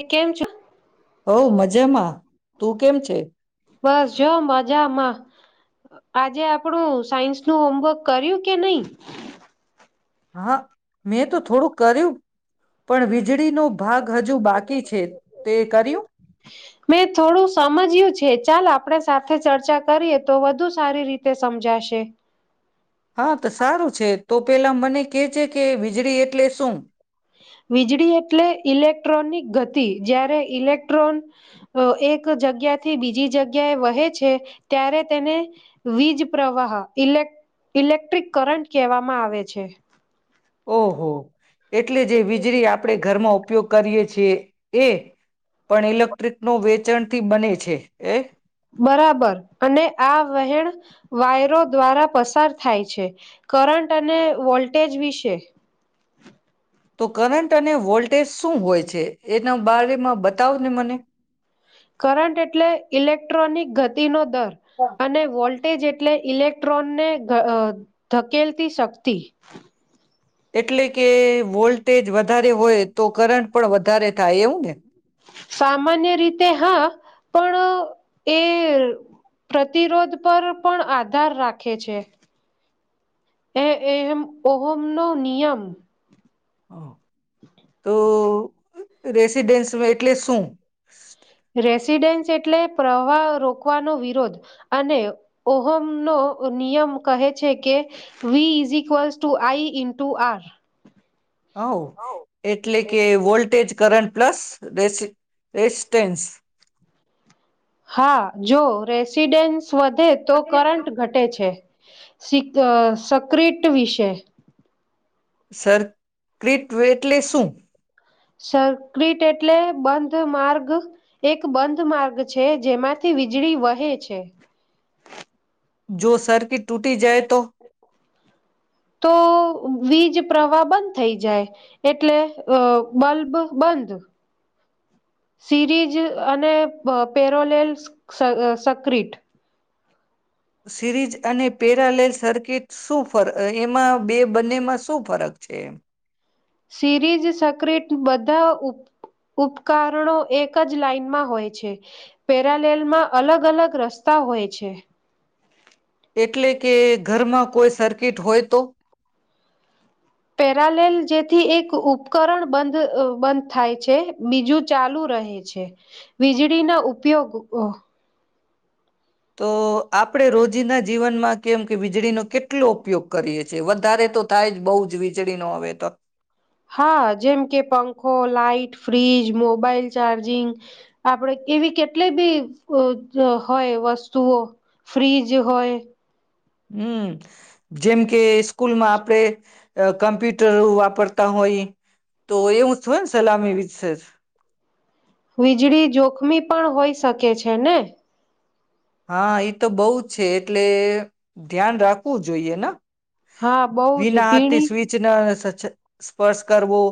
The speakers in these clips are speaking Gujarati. એ કેમ છો? હોવ મજામાં. તું કેમ છે? બસ જો મજામાં આજે આપણું સાયન્સનું હોમવર્ક કર્યું કે નય? હા, મેં તો થોડું કર્યું. પણ વીજળીનો ભાગ હજુ બાકી છે. તે કર્યું મેં થોડું સમજય્યું છે. ચાલ આપણે સાથે ચર્ચા કરીએ તો વધુ સારી રીતે સમજાશે. હા, તો સારું છે. તો પેલા મને કેજે કે, વીજળી એટલે શું? વીજળી એટલે ઇલેક્ટ્રોનિક ગતિ. જ્યારે ઇલેક્ટ્રોન અ એક જગ્યાથી બીજી જગ્યાએ વહે છે ત્યારે તેને વીજ પ્રવાહ ઇલેક ઇલેક્ટ્રિક કરંટ કેવામાં આવે છે. ઓહો એટલે જે વીજળી આપળે ઘરમાં ઉપયોગ કરીએ છીએ એ પણ ઇલેક્ટ્રિકનો વેચણથી બને છે. હે એ બરાબર અને આ વહેણ વાયરો દ્વારા પસાર થાય છે. કરંટ અને વોલ્ટેજ વિશે તો કરંટ અને વોલ્ટેજ શું હોય છે? એના બારેમાં બ તાવ ને મને. કરંટ એટલે ઇલેક્ટ્રોનિક ગતિ નો દર અને વોલ્ટેજ એટલે ઇલેક્ટ્રોનને ઘ અ ધકેલતી શક્તિ. એટલે કે વોલ્ ટેજ વધારે હોય તો કરંટ પણ વધારે થાય, એવું ને? સામાન્ય રીતે હા પણ એ પ્રતિરોધ પર પણ આધાર રાખે છે. એ એહમ ઓહોમનો નિયમ. ઓહ તો રેસીડેન્સમ એટલે શું? સ્ટ રેસીડેન્સ એટલે પ્રવાહ રોકવાનો વિરોધ અને ઓહમનો નિયમ કહે છે કે V is equals to I into R. હવ એટલે કે વોલ્ટેજ કરંટ પ્લસ રેસી રેસ્ટેન્સ. હા, જો રેસિડેન્સ વધે, તો કરંટ ઘટે છે. સીક અ સક્રિટ વિષે. સરક્રિટવે એટલે શું? સક્રિટ એટલે બંધ માર્ગ. એક બંધ માર્ગ છે, જેમાંથી વીજળી વહે છે. જો સર્કિટ ટૂટી જાય તો? તો વીજ પ્રવા બંધ થઇ જાય. એટલે અ બલ્બ બંધ. સિરીઝ અને પ પેરોલેલ સ્ સ સક્રિટ. સિરીઝ અને પેરાલેલ સર્કિટ શું ફર અ એમાં બે બંનેમાં શું ફરક છે એમ? સિરીઝ સક્રિટ બધા ઉપ ઉપકારણો એક જ લાાઈનમાં હોય છે. પેરાલેલમાં અલગ અલગ રસ્તા હોય છે. એટલે કે ઘરમાં કોઈ સર્કિટ હોય તો? પેરાલેલ જેથી એક ઉપકરણ બંધ અ બંધ થાય છે, બીજું ચાલુ રહે છે. વીજળીના ઉપયોગો. તો આપળે રોજીન્દા જીવનમાં કેમ કે વીજળીનો કેટલો ઉપયોગ કરીએ છે, વધારે તો થાય જ બહુ જ વીજળીનો હવે તો. હા. જેમ કે પંખો, લાાઈટ, ફ્રીજ, મોબાઈલ ચાર્જિંગ આપણે એવી કેટલી બી અ અ હોય વસ્તુઓ ફ્રીજ હોય. હમ્મ, જેમ કે સ્કૂલમાં આપણે અ કમ્પ્યુટર વાપરતા હોય. તો એવું જ હોય ન્ સલા એવી જ છે જ. વીજળી જોખમી પણ હોઈ શકે છે ને? હા, ઈ તો બોવ છે. એટલે ધ્યાન રાખવું જોઈએ ન. હા બહુ જ ભીના હાથથી ભીણી સ્વીચ ન સ છ, સ્પર્શ કરવો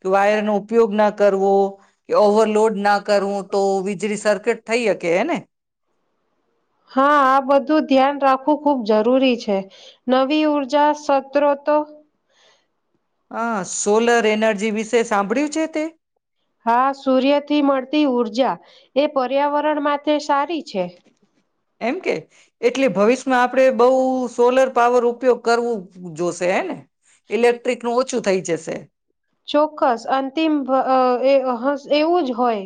કે વાયર નો ઉપયોગ ના કરવો. કે ઓવરલોડ ના કરવું તો વીજળી સર્કિટ થઈ અકે, એને? હા, આ બધું ધ્યાન રાખવું ખૂબ જરૂરી છે. નવી ઊર્જા સત્ર તો આ સોલર એનર્જી વિશે સાંભળ્યું છે તે? હા, સૂર્યથી મળતી ઊર્જા. એ પર્યાવરણ માટે સારી છે. એમ કે એટલે ભવિષ્માં આપ આપડે બઉ સોલર પાવર ઉપયોગ કરવું જોશે. હે ને? ઇલેક્ટ્રિકનું ઓછું થઈ જશે. ચોક્કસ, અંતિમ વ અ એ હસ એવું જ હોય.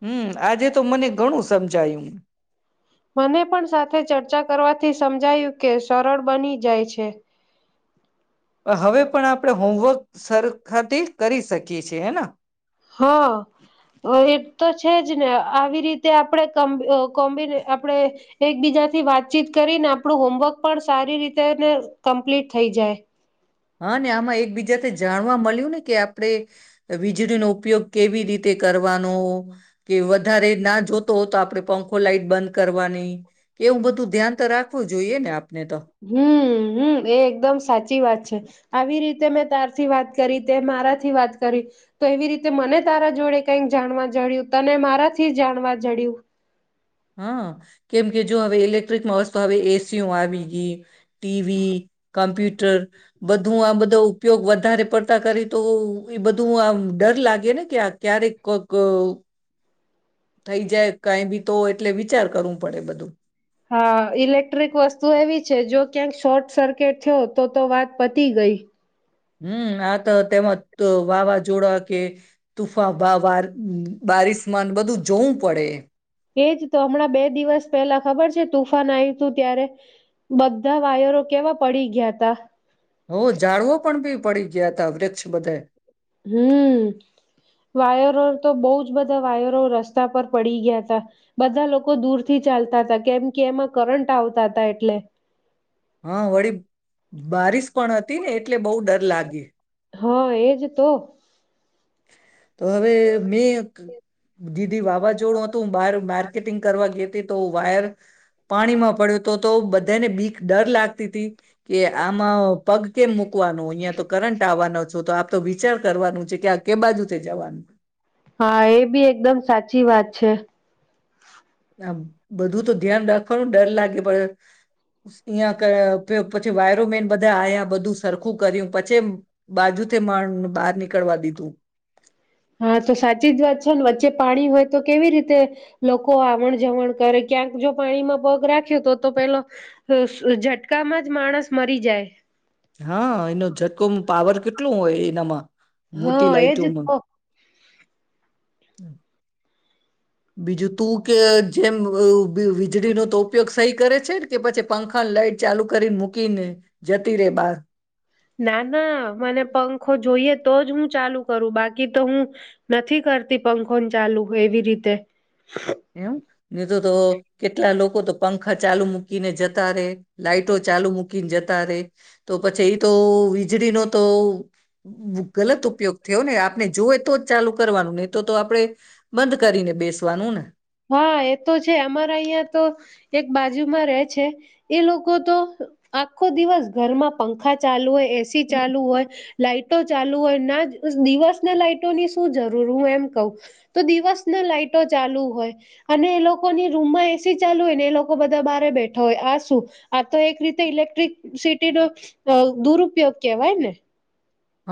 હમ્મ, આજે તો મને ઘણું સમજાયું. મને પણ સાથે ચર્ચા કરવાથી સમજાયું કે સરળ બની જાય છે. હવે પણ આપણે હોમવર્ક સરખાથી કરી શકીએ છે. હેના? હા, અ એ તો છે જ ને આવી રીતે આપણે કમ્બ અ કોમ્બિને આપણેે એકબીજાથી વાતચીત કરીને આપણું હોમવર્ક પણ સારી રીતે ને કમ્પ્લીટ થઈ જાય. હા, ને આમાં એકબીજાથી જાણવા મલ્યું ને કે, આપણે વીજળીનો ઉપયોગ કેવી રીતે કરવાનો. કે વધારે ના જો તો તો આપણે પંખો લાાઈટ બંધ કરવાની. કેવું બધું ધ્યાન તો રાખવું જોઈએ ને આપને તો. હમ્મ એ એકદમ સાચી વાત છે આવી રીતે મેં તારથી વાત કરી તે મારાથી વાત કરી તો એવી રીતે મને તારા જોડે કઈક જાણવા જડ્યું તને મારાથી જાણવા જડ્યું. હા કેમ કે જો હવે ઇલેક્ટ્રિકમાં વસ્તુ હવે એસીઓ આવી ગી ટીવી કમપ્યુ તો બધું આ બધો ઉપયોગ વધારે પડતા કરી તો એ બધું આમ ડર લાગે ને કે ક્યારેક કોક થઈ જાય કઈ બી તો એટલે વિચાર કરવું પડે બધું હા ઇલેક્ટ્રિક વસ્તુ એવી છે જો ક્યાંક શોર્ટ સર્કિટ થયો તો તો વાત પતી ગઈ હમ આ તો તેમાં વાવાઝોડા કે તુફા વા બારિસમાન બધું જોવું પડે એજ તો હમણાં બે દિવસ પહેલા ખબર છે તુફાન આવય્યું હતું ત્યારે બધા વાયરો કેવા પડી ગયા તા હો ઝાડવો પણ પી પડી ગયા હતા વૃક્ષ બધે હમ વાયરો તો બહુ જ બધા વાયરો રસ્તા પર પડી ગયા હતા બધા લોકો દૂરથી ચાલતા હતા કેમ કે એમાં કરંટ આવતા હતા એટલે હા વળ બારિશ પણ હતી ને એટલે બહુ ડર લાગે હા એજ તો તો હવે મેં દીદી વાવાઝોડું હતું બાર માર્કેટિંગ કરવા ગઈ હતી તો વાયર પાણી માં પડ્યું તો તો બધાને બીક ડર લાગ સ્થિતિ કે આમાં પગ કેમ મુૂકવાનું અહિયાયા તો કરટ આવવાનો છો તો આપ તો વિચાર કરવાનું છે કે આ કે બાજુ તે જવાનું હા એ બી એકદમ સાચી વાત છે આ બધું તો ધ્યાન રાખવાનું ડર લાગે પણ અંયા પછી વાયરોમેન બધા આ્યા બધું સરખું કર્યું પછી બાજુ મણ નીકળવા દીધું હા તો સાચી જ વાત છે ને વચ્ચે પાણી હોય તો કેવી રીતે લોકો આવણ જવણ કરે ક્યાંક જો પાણીમાં પગ રાખે તો તો પેલો ઝટકામાં જ માણસ મરી જાય હા એનો ટકો પાવર કેટલોું હોય એનામાં હા એજ ક હું બીજું તું કે જેમ વીજળીનો તો ઉપયોગ સહી કરે છે ને કે પછી પંખા લાઈટ ચાલુ કરી મૂકીને જતી રે બહાર ના ના મને પંખો જોઈએ તો જ હું ચાલુ કરું બાકી તો હું નથી કરતી પંખોન ચાલુ એવી રીતે એમ નિત તો કેટલા લોકો તો પંખ આખા ચાલુ મૂકીને જતા રે લાાઈટો ચાલુ મૂકીને જતા રે તો પછી એ તો વીજળીનો તો ગલત ઉપયોગ થયો ને આપણે જોવે તો જ ચાલુ કરવાનું નહી તો તો આપણે બંધ કરીને બેસવાનું ને હા એ તો છે અમારા અહિયાં તો એક બાજુમાં રહે છે એ લોકો તો આખો દિવસ ઘરમાં પંખા ચાલુ હોય એસી ચાલુ હોય. લાઈટો ચાલુ હોય ના દિવસને લાાઈટોની શું જરૂર હું એમ કવ તો દિવસ ના લાાઈટો ચાલુ હોય અને એ લોકોની રૂમમાં એસી ચાલુ હોય ને એ લોકો બધા બહારે બેઠા હોય આ શું આ તો એક રીતે ઇલેક્ટ્રિકસિટીનો દુરપયોગ કેહેવાય ને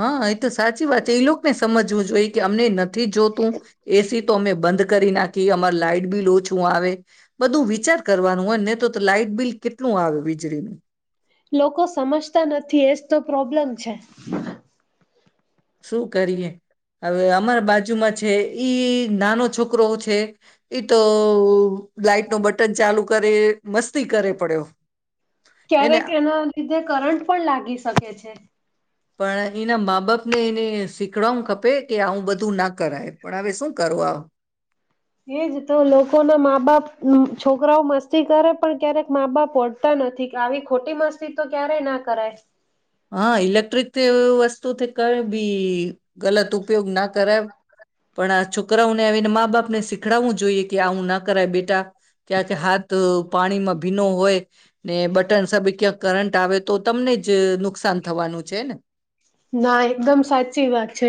હા એ તો સાચી વાત છે એ લોકોને સમજવું જોઈએ કે અમને નથી થી જો તું એસી તો તો અમે બંધ કરી નાખી અમાર લાઈટ બીલ ઔછું આવે બધું વિચાર કરવાનું હોય નને તો લાાઈટ બિલ કેટલું આવે વીજળીનું લોકો સમજતા નથી એજ તો પ્રોબ્લેમ છે. શું કરીએ હવે અમારા બાજુમાં છે ઈ નાનો છોકરો છે ઈ તો લાાઈટનો બટન ચાલુ કરે મસ્તી કરે પડ્યો એને ક્યારેક એના લીધે કરંટ પણ લાગી શકે છે. પણ એના મા બાપ નહી-નહી. સીખ ખપે કે આવુ બધા બું ના કરાય પણ હવે શું કરવા આવ એજ તો લોકો ના મા બાપ છોકરાઓ મસ્તી કરે પણ ક્યારેક મા બાપ ઓડતા નથી કે આવી ખોટી મસ્તી તો ક્યારેય ના કરાય. હા ઇલેક્ટ્રિક વસ્તુથી કઈ બી ગલત ઉપયોગ ના કરાય આપણે સ ખડું જોઈએ કે આવુ ના કરાય બેટા ક્યાંક હાથ પાણીમાં ભીનો હોય ને બટન સા ક્યાંક કરંટ આવે તો તમને જ નુ નુકસાન થવાનું છે ને ના એકદમ સાચી વાત છે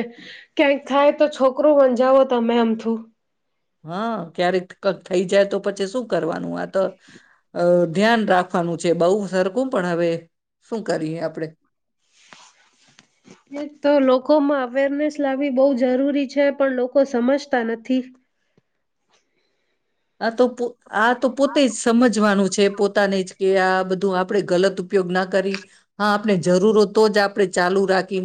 ક્યાંક થાય તો છોકરું મંજાવો તમે આમથું હા ક્યારેક થઈ જાય તો પછી શું કરવાનું આ તો ધ્યાન રાખવાનું છે બઉ સરખું પણ હવે શું કરીએ આપડે. એ તો લોકોમાં અવેરનેસ લાવવી બહુ જરૂરી છે પણ લોકો સમજતા નથી. હા તો પ આ તો પોતે જ સમજવાનું છે પોતાને જ કે આ બધું આપણે ગલત ઉપયોગ ના કરી હા આપણે જરૂર તો જ આપડણે ચાલુ રાખી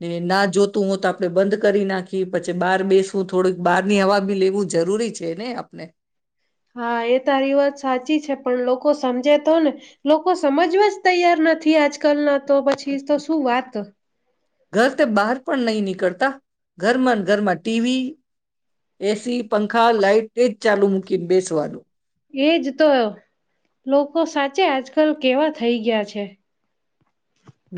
ને ના જોતું હોય તો આપડણે બંધ કરી નાખીએ પછી બહાર બેસવું થોડુંક બહાર ની હવા બી લેવું જરૂરી છે ને આપણે. હા એ તારી વાત સાચી છે પણ લોકો સમજે તો ને લોકો સમજવા જ તૈયાર નથી આજકાલના તો પછી તો શું વાત ઘર તે બહાર પણ નહી નીકળ કરતા ઘરમાં ઘરમાં ટીવી એસી. પંખા લાઈટ જ ચાલુ મુકી ન બેસવાનું એજ તો કલ કેવા થઈ ગયા છે.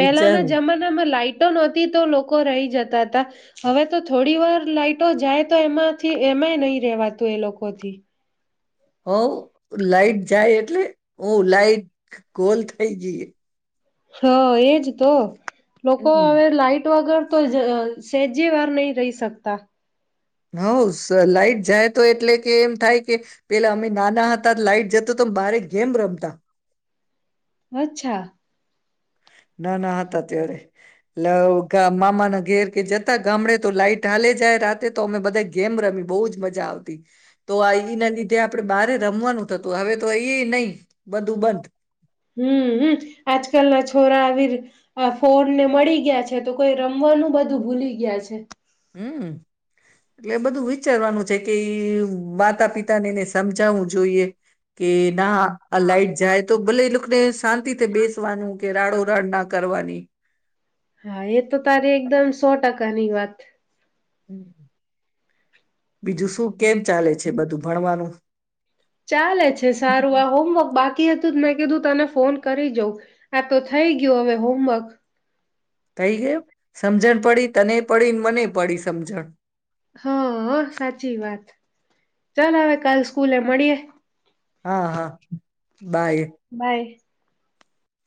પેલાના વિચારું જમાનામાં લાઈટ. નહતી તો લોકો રહી જતા હતા હવે તો થોડી વાર લાાઈટો જાય તો એમાંથી એમાંય નહી રેવાતું એ લોકોથી. હ. લાઈટ જાય એટલે હું લાઈટ. કોલ થઈ ગઈે. હા એજ તો. લોકો હમ હવે લાઈટ વગર. તો સેજે વાર નહી રહી શકતા. હઉ લાઈટ જાય તો એટલે કે એમ થાય કે પેલા અમે નાના હ. લાઈટ જતો તો બારે ગેમ રમતા. અચ્છા. ના ના હતા ત્યારે મામાના ઘેર કે જતા ગામડે તો લાઈટ. ઢાલે જાય રાતે તો અમે બધાય ગેમ રમી, બહુ જ મજા આવતી. તો આ ઈના લીધે આપડે બારે રમવાનું થતું. હવે તો ઈ ય નહીં, બધું બંધ. હમ હમ. આજકાલ ના છોરા આવીર ફોનને મળી ગ્યા છે, તો કોઈ રમવાનું બધું ભૂલી ગ્યા છે. હમ એટલે બધું વિચારવાનું છે કે, ઈ માતા પિતાને ને સમજાવવું જોઈએ. કે ના, આ લાઈટ જાય તો ભલે એ લોકો આપણે શાંતિથી બેસવાનું, કે રાડો રાડ ના કરવાની. હા, એ તો તારી એકદમ સો ટકાની વાત. બીજું શું? કેમ ચાલે છે બધું ભણવાનું? ચાલે છે સારું, આ હોમવર્ક બા કી હતું ત મેં કીધું તને ફોન કરી જોઉ. આ તો થઈ ગ્યું અવે હોમવર્ક. થઈ ગયો? સમજણ પડી તને પડી ને મને ય પડી સમઝણ. હા, સાચી વાત. ચાલ હવે કાલ સ્કૂલે મળીએે. હા, હા. બાય. બાય